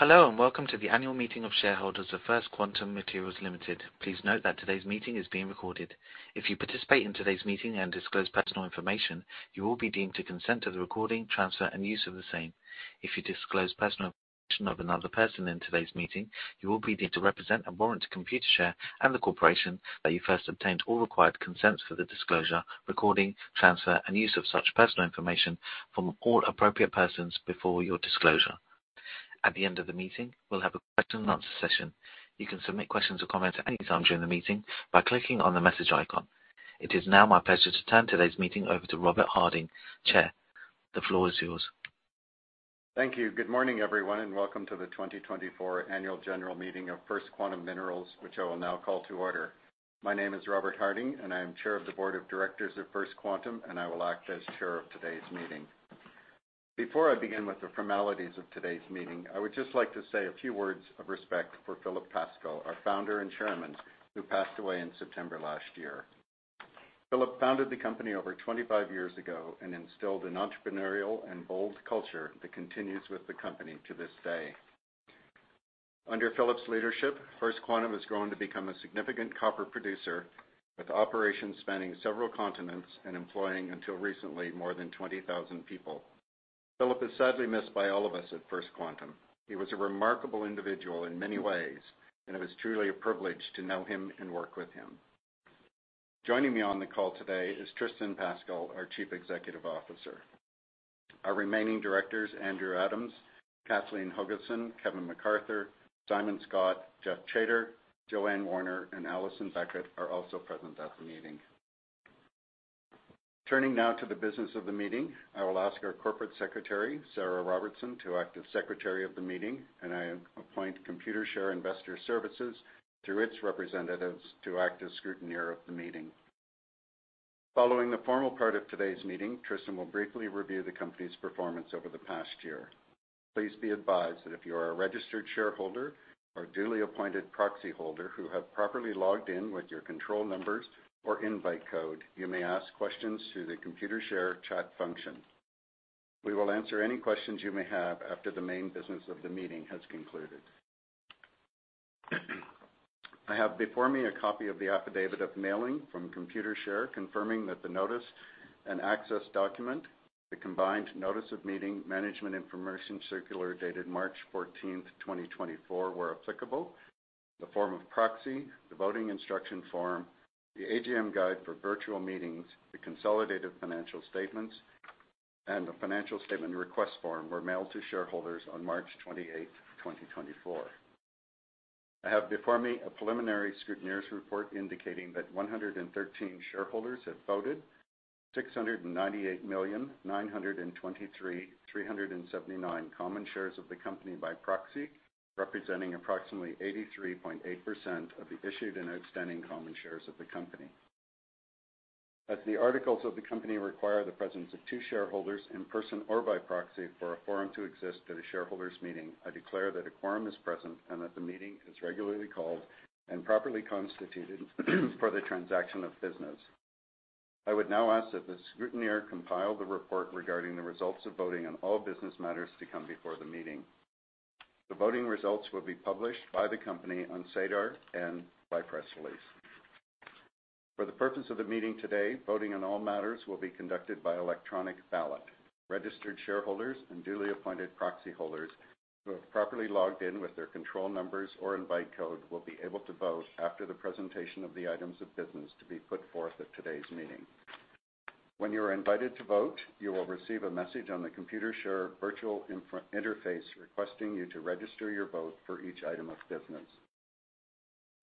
Hello and welcome to the annual meeting of shareholders of First Quantum Minerals Ltd. Please note that today's meeting is being recorded. If you participate in today's meeting and disclose personal information, you will be deemed to consent to the recording, transfer, and use of the same. If you disclose personal information of another person in today's meeting, you will be deemed to represent and warrant to Computershare and the corporation that you first obtained all required consents for the disclosure, recording, transfer, and use of such personal information from all appropriate persons before your disclosure. At the end of the meeting, we'll have a question-and-answer session. You can submit questions or comments at any time during the meeting by clicking on the message icon. It is now my pleasure to turn today's meeting over to Robert Harding, Chair. The floor is yours. Thank you. Good morning, everyone, and welcome to the 2024 Annual General Meeting of First Quantum Minerals, which I will now call to order. My name is Robert Harding, and I am Chair of the Board of Directors of First Quantum, and I will act as Chair of today's meeting. Before I begin with the formalities of today's meeting, I would just like to say a few words of respect for Philip Pascall, our founder and chairman, who passed away in September last year. Philip founded the company over 25 years ago and instilled an entrepreneurial and bold culture that continues with the company to this day. Under Philip's leadership, First Quantum has grown to become a significant copper producer, with operations spanning several continents and employing, until recently, more than 20,000 people. Philip is sadly missed by all of us at First Quantum. He was a remarkable individual in many ways, and it was truly a privilege to know him and work with him. Joining me on the call today is Tristan Pascall, our Chief Executive Officer. Our remaining directors, Andrew Adams, Kathleen Hogenson, Kevin McArthur, Simon Scott, Geoff Chater, Joanne Warner, and Alison Beckett, are also present at the meeting. Turning now to the business of the meeting, I will ask our Corporate Secretary, Sarah Robertson, to act as Secretary of the meeting, and I appoint Computershare through its representatives to act as scrutineer of the meeting. Following the formal part of today's meeting, Tristan will briefly review the company's performance over the past year. Please be advised that if you are a registered shareholder or duly appointed proxy holder who have properly logged in with your control numbers or invite code, you may ask questions through the Computershare chat function. We will answer any questions you may have after the main business of the meeting has concluded. I have before me a copy of the affidavit of mailing from Computershare confirming that the notice and access document, the combined Notice of Meeting Management Information Circular dated March 14, 2024, were applicable. The form of proxy, the voting instruction form, the AGM Guide for Virtual Meetings, the consolidated financial statements, and the financial statement request form were mailed to shareholders on March 28, 2024. I have before me a preliminary scrutineer's report indicating that 113 shareholders have voted 698,923,379 common shares of the company by proxy, representing approximately 83.8% of the issued and outstanding common shares of the company. As the articles of the company require the presence of two shareholders in person or by proxy for a quorum to exist at a shareholders' meeting, I declare that a quorum is present and that the meeting is regularly called and properly constituted for the transaction of business. I would now ask that the scrutineer compile the report regarding the results of voting on all business matters to come before the meeting. The voting results will be published by the company on SEDAR+ and by press release. For the purpose of the meeting today, voting on all matters will be conducted by electronic ballot. Registered shareholders and duly appointed proxy holders who have properly logged in with their control numbers or invite code will be able to vote after the presentation of the items of business to be put forth at today's meeting. When you are invited to vote, you will receive a message on the Computershare Virtual Interface requesting you to register your vote for each item of business.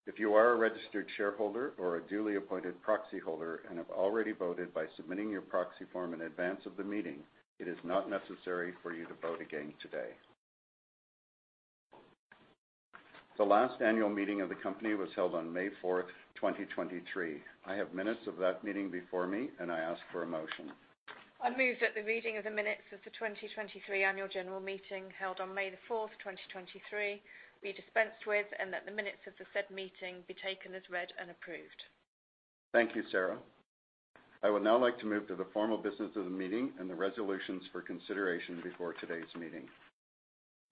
If you are a registered shareholder or a duly appointed proxy holder and have already voted by submitting your proxy form in advance of the meeting, it is not necessary for you to vote again today. The last annual meeting of the company was held on May 4, 2023. I have minutes of that meeting before me, and I ask for a motion. I move that the reading of the minutes of the 2023 Annual General Meeting held on May 4, 2023, be dispensed with and that the minutes of the said meeting be taken as read and approved. Thank you, Sarah. I would now like to move to the formal business of the meeting and the resolutions for consideration before today's meeting.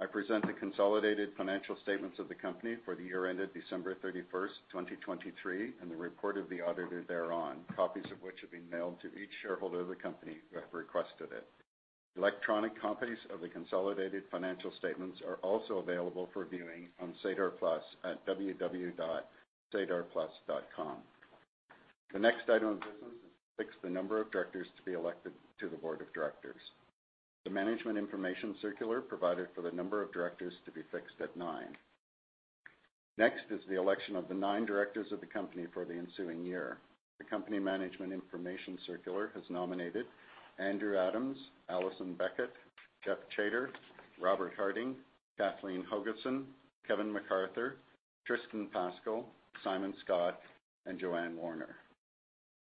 I present the consolidated financial statements of the company for the year ended December 31, 2023, and the report of the auditor thereon, copies of which have been mailed to each shareholder of the company who have requested it. Electronic copies of the consolidated financial statements are also available for viewing on SEDAR+ at www.sedarplus.com. The next item of business is to fix the number of directors to be elected to the board of directors. The management information circular provided for the number of directors to be fixed at nine. Next is the election of the nine directors of the company for the ensuing year. The company management information circular has nominated Andrew Adams, Alison Beckett, Geoff Chater, Robert Harding, Kathleen Hogenson, Kevin McArthur, Tristan Pascall, Simon Scott, and Joanne Warner.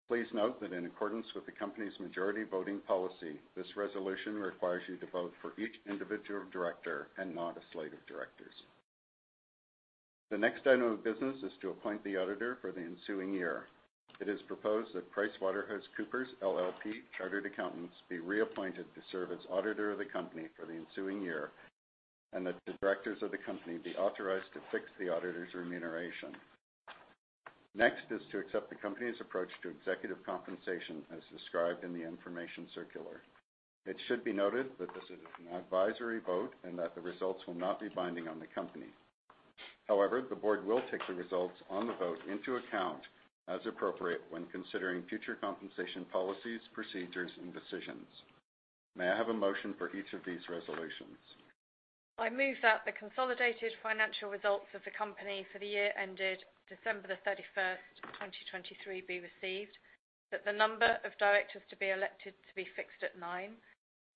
Please note that in accordance with the company's majority voting policy, this resolution requires you to vote for each individual director and not a slate of directors. The next item of business is to appoint the auditor for the ensuing year. It is proposed that PricewaterhouseCoopers LLP, Chartered Accountants, be reappointed to serve as auditor of the company for the ensuing year and that the directors of the company be authorized to fix the auditor's remuneration. Next is to accept the company's approach to executive compensation as described in the information circular. It should be noted that this is an advisory vote and that the results will not be binding on the company. However, the board will take the results on the vote into account as appropriate when considering future compensation policies, procedures, and decisions. May I have a motion for each of these resolutions? I move that the consolidated financial results of the company for the year ended December 31, 2023, be received, that the number of directors to be elected to be fixed at nine,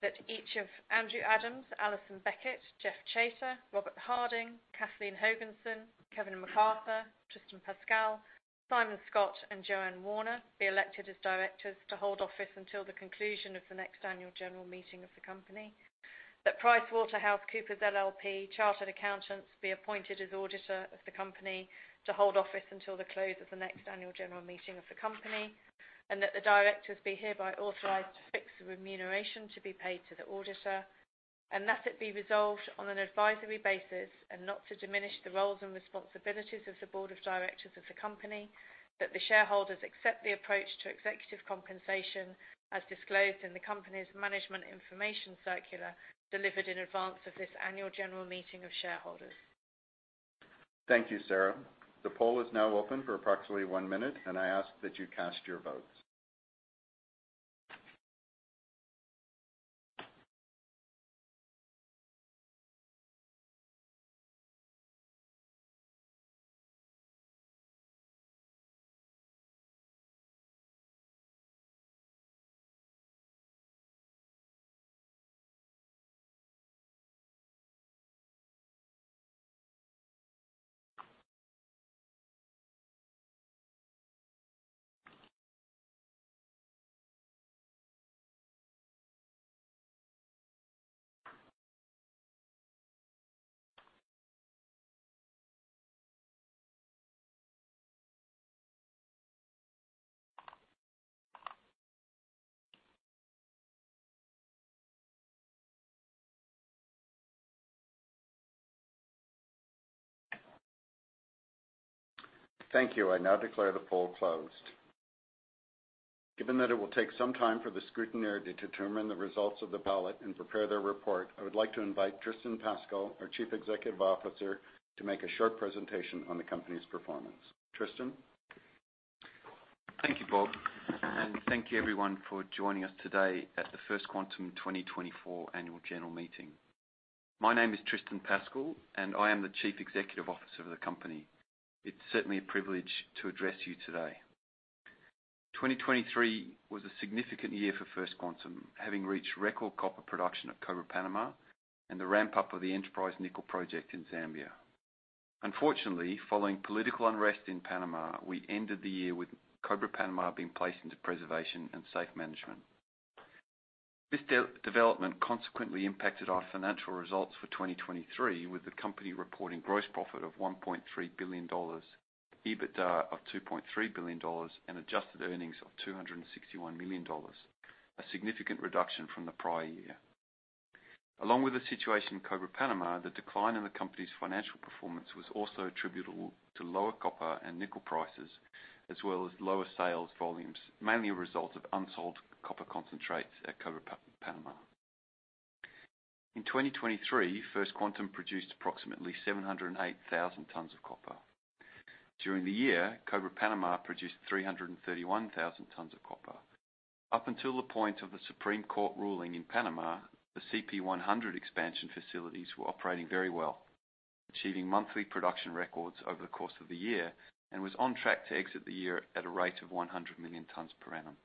that each of Andrew Adams, Alison Beckett, Geoff Chater, Robert Harding, Kathleen Hogenson, Kevin McArthur, Tristan Pascall, Simon Scott, and Joanne Warner be elected as directors to hold office until the conclusion of the next annual general meeting of the company. The PricewaterhouseCoopers, LLP, Chartered Accountants, be appointed as auditor of the company to hold office until the close of the next annual general meeting of the company, and that the directors be hereby authorized to fix the remuneration to be paid to the auditor, and that it be resolved on an advisory basis and not to diminish the roles and responsibilities of the board of directors of the company, that the shareholders accept the approach to executive compensation as disclosed in the company's management information circular delivered in advance of this annual general meeting of shareholders. Thank you, Sarah. The poll is now open for approximately one minute, and I ask that you cast your votes. Thank you. I now declare the poll closed. Given that it will take some time for the scrutineer to determine the results of the ballot and prepare their report, I would like to invite Tristan Pascall, our Chief Executive Officer, to make a short presentation on the company's performance. Tristan? Thank you, Bob, and thank you, everyone, for joining us today at the First Quantum 2024 annual general meeting. My name is Tristan Pascall, and I am the Chief Executive Officer of the company. It's certainly a privilege to address you today. 2023 was a significant year for First Quantum, having reached record copper production at Cobre Panamá and the ramp-up of the Enterprise Nickel project in Zambia. Unfortunately, following political unrest in Panama, we ended the year with Cobre Panamá being placed into preservation and safe management. This development consequently impacted our financial results for 2023, with the company reporting gross profit of $1.3 billion, EBITDA of $2.3 billion, and adjusted earnings of $261 million, a significant reduction from the prior year. Along with the situation in Cobre Panamá, the decline in the company's financial performance was also attributable to lower copper and nickel prices as well as lower sales volumes, mainly a result of unsold copper concentrates at Cobre Panamá. In 2023, First Quantum produced approximately 708,000 tons of copper. During the year, Cobre Panamá produced 331,000 tons of copper. Up until the point of the Supreme Court ruling in Panama, the CP100 expansion facilities were operating very well, achieving monthly production records over the course of the year, and was on track to exit the year at a rate of 100 million tons per annum.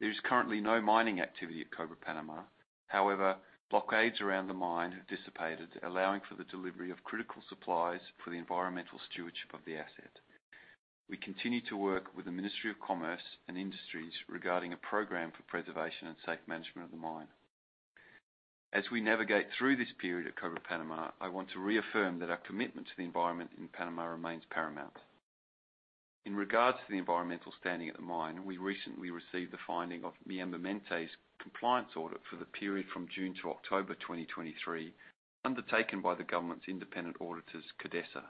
There is currently no mining activity at Cobre Panamá. However, blockades around the mine have dissipated, allowing for the delivery of critical supplies for the environmental stewardship of the asset. We continue to work with the Ministry of Commerce and Industries regarding a program for preservation and safe management of the mine. As we navigate through this period at Cobre Panamá, I want to reaffirm that our commitment to the environment in Panama remains paramount. In regards to the environmental standing at the mine, we recently received the finding of MiAMBIENTE's compliance audit for the period from June to October 2023, undertaken by the government's independent auditors, CODESA.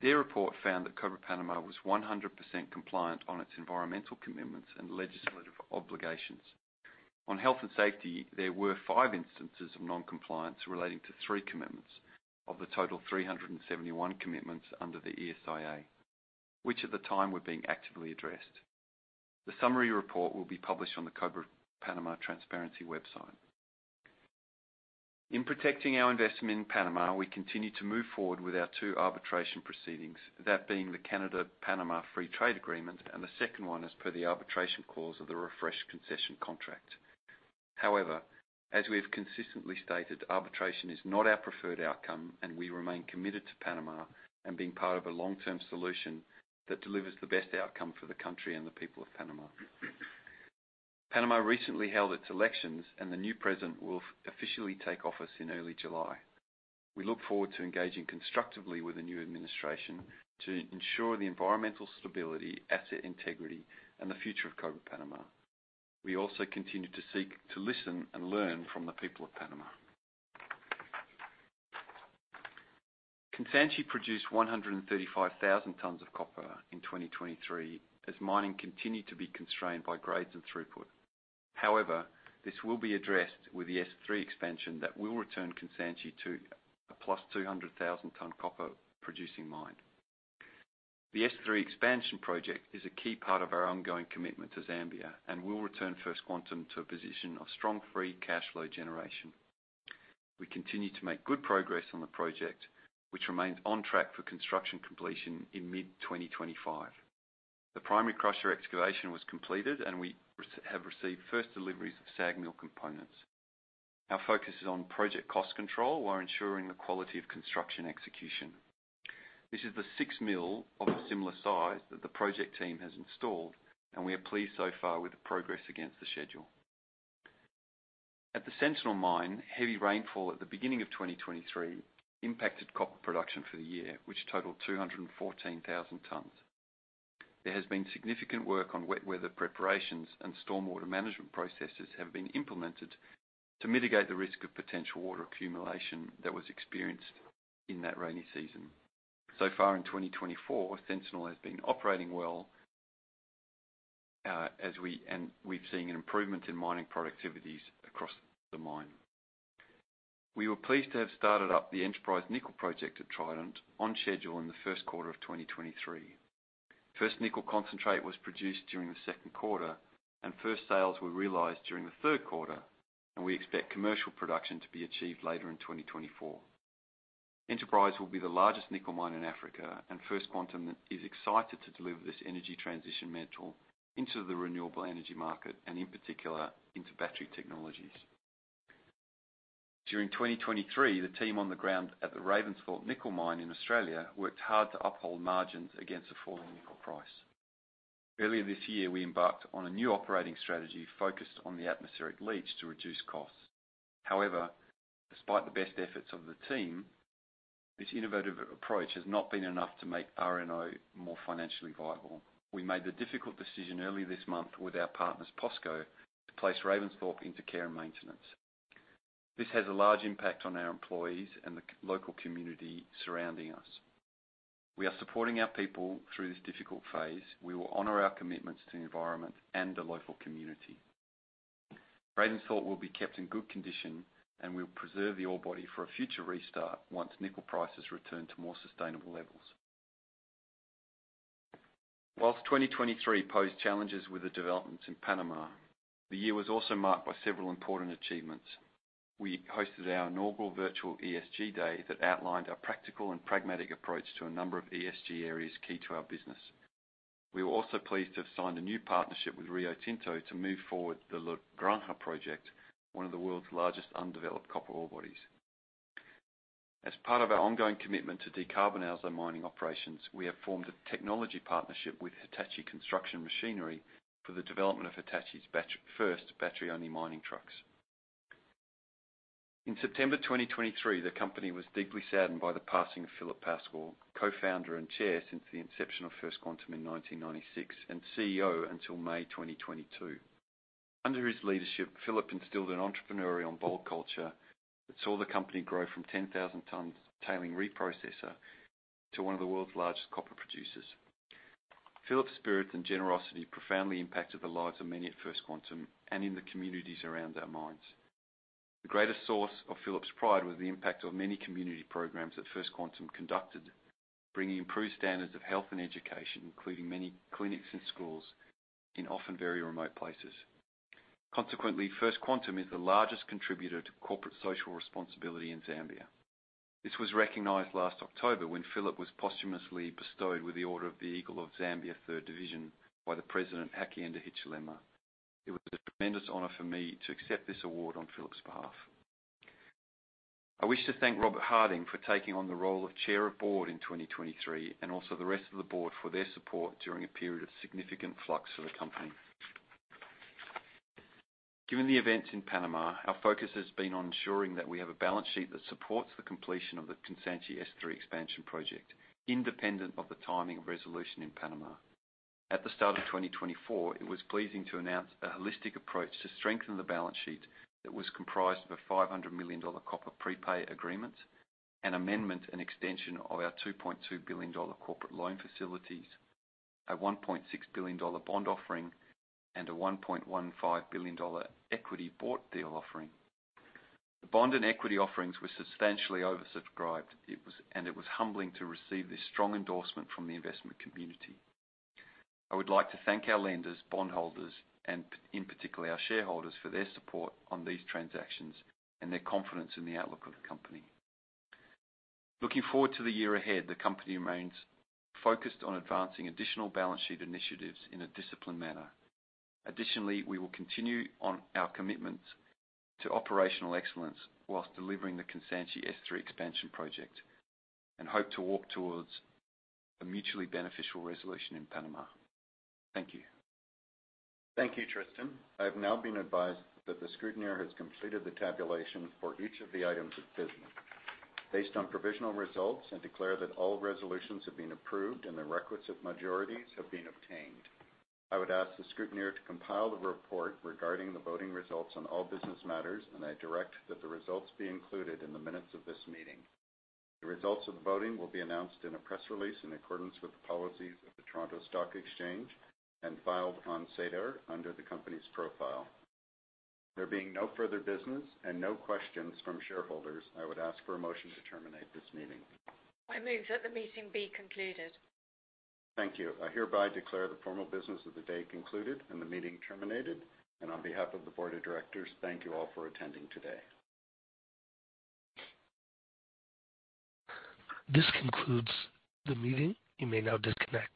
Their report found that Cobre Panamá was 100% compliant on its environmental commitments and legislative obligations. On health and safety, there were five instances of non-compliance relating to three commitments of the total 371 commitments under the ESIA, which at the time were being actively addressed. The summary report will be published on the Cobre Panamá Transparency website. In protecting our investment in Panama, we continue to move forward with our two arbitration proceedings, that being the Canada-Panama Free Trade Agreement, and the second one as per the arbitration clause of the Refreshed Concession Contract. However, as we have consistently stated, arbitration is not our preferred outcome, and we remain committed to Panama and being part of a long-term solution that delivers the best outcome for the country and the people of Panama. Panama recently held its elections, and the new president will officially take office in early July. We look forward to engaging constructively with the new administration to ensure the environmental stability, asset integrity, and the future of Cobre Panamá. We also continue to seek to listen and learn from the people of Panama. Kansanshi produced 135,000 tons of copper in 2023 as mining continued to be constrained by grades and throughput. However, this will be addressed with the S3 expansion that will return Kansanshi to a +200,000-ton copper-producing mine. The S3 expansion project is a key part of our ongoing commitment to Zambia and will return First Quantum to a position of strong free cash flow generation. We continue to make good progress on the project, which remains on track for construction completion in mid-2025. The primary crusher excavation was completed, and we have received first deliveries of SAG mill components. Our focus is on project cost control while ensuring the quality of construction execution. This is the sixth mill of a similar size that the project team has installed, and we are pleased so far with the progress against the schedule. At the Sentinel Mine, heavy rainfall at the beginning of 2023 impacted copper production for the year, which totaled 214,000 tons. There has been significant work on wet weather preparations, and stormwater management processes have been implemented to mitigate the risk of potential water accumulation that was experienced in that rainy season. So far in 2024, Sentinel has been operating well, and we've seen an improvement in mining productivities across the mine. We were pleased to have started up the Enterprise Nickel project at Trident on schedule in the first quarter of 2023. First nickel concentrate was produced during the second quarter, and first sales were realized during the third quarter, and we expect commercial production to be achieved later in 2024. Enterprise will be the largest nickel mine in Africa, and First Quantum is excited to deliver this energy transition mantle into the renewable energy market and, in particular, into battery technologies. During 2023, the team on the ground at the Ravensthorpe Nickel Mine in Australia worked hard to uphold margins against a falling nickel price. Earlier this year, we embarked on a new operating strategy focused on the atmospheric leach to reduce costs. However, despite the best efforts of the team, this innovative approach has not been enough to make RNO more financially viable. We made the difficult decision early this month with our partners, POSCO, to place Ravensthorpe into care and maintenance. This has a large impact on our employees and the local community surrounding us. We are supporting our people through this difficult phase. We will honor our commitments to the environment and the local community. Ravensthorpe will be kept in good condition, and we'll preserve the ore body for a future restart once nickel prices return to more sustainable levels. While 2023 posed challenges with the developments in Panama, the year was also marked by several important achievements. We hosted our inaugural virtual ESG Day that outlined our practical and pragmatic approach to a number of ESG areas key to our business. We were also pleased to have signed a new partnership with Rio Tinto to move forward the La Granja project, one of the world's largest undeveloped copper ore bodies. As part of our ongoing commitment to decarbonize our mining operations, we have formed a technology partnership with Hitachi Construction Machinery for the development of Hitachi's first battery-only mining trucks. In September 2023, the company was deeply saddened by the passing of Philip Pascall, co-founder and chair since the inception of First Quantum in 1996 and CEO until May 2022. Under his leadership, Philip instilled an entrepreneurial and bold culture that saw the company grow from 10,000-ton tailing reprocessor to one of the world's largest copper producers. Philip's spirit and generosity profoundly impacted the lives of many at First Quantum and in the communities around our mines. The greatest source of Philip's pride was the impact of many community programs that First Quantum conducted, bringing improved standards of health and education, including many clinics and schools in often very remote places. Consequently, First Quantum is the largest contributor to corporate social responsibility in Zambia. This was recognized last October when Philip was posthumously bestowed with the Order of the Eagle of Zambia Third Division by the President Hakainde Hichilema. It was a tremendous honor for me to accept this award on Philip's behalf. I wish to thank Robert Harding for taking on the role of Chair of the Board in 2023 and also the rest of the board for their support during a period of significant flux for the company. Given the events in Panama, our focus has been on ensuring that we have a balance sheet that supports the completion of the Kansanshi S3 expansion project, independent of the timing of resolution in Panama. At the start of 2024, it was pleasing to announce a holistic approach to strengthen the balance sheet that was comprised of a $500 million copper prepay agreement, an amendment and extension of our $2.2 billion corporate loan facilities, a $1.6 billion bond offering, and a $1.15 billion equity bought deal offering. The bond and equity offerings were substantially oversubscribed, and it was humbling to receive this strong endorsement from the investment community. I would like to thank our lenders, bondholders, and in particular, our shareholders for their support on these transactions and their confidence in the outlook of the company. Looking forward to the year ahead, the company remains focused on advancing additional balance sheet initiatives in a disciplined manner. Additionally, we will continue on our commitments to operational excellence whilst delivering the Kansanshi S3 expansion project and hope to walk towards a mutually beneficial resolution in Panama. Thank you. Thank you, Tristan. I have now been advised that the scrutineer has completed the tabulation for each of the items of business. Based on provisional results, I declare that all resolutions have been approved and the records of majorities have been obtained. I would ask the scrutineer to compile the report regarding the voting results on all business matters, and I direct that the results be included in the minutes of this meeting. The results of the voting will be announced in a press release in accordance with the policies of the Toronto Stock Exchange and filed on SEDAR+ under the company's profile. There being no further business and no questions from shareholders, I would ask for a motion to terminate this meeting. I move that the meeting be concluded. Thank you. I hereby declare the formal business of the day concluded and the meeting terminated. On behalf of the board of directors, thank you all for attending today. This concludes the meeting. You may now disconnect.